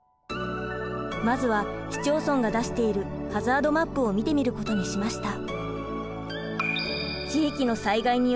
まずは市町村が出しているハザードマップを見てみることにしました。